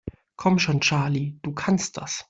Komm schon, Charlie, du kannst das!